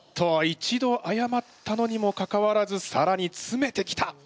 一度あやまったのにもかかわらずさらにつめてきた。